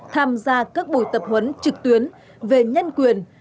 tham gia các buổi tập huấn trực tuyến về nhân quyền